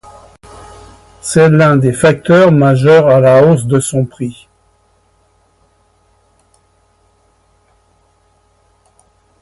C'est l'un des facteurs majeurs à la hausse de son prix.